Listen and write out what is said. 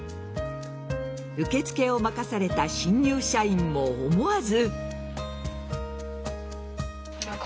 受け付けを任された新入社員も思わず。